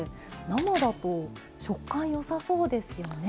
生だと食感よさそうですよね。